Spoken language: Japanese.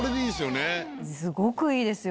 すごくいいですよ